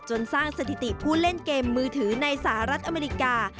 สร้างสถิติผู้เล่นเกมมือถือในสหรัฐอเมริกา